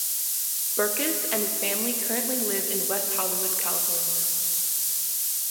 Berkus and his family currently live in West Hollywood, California.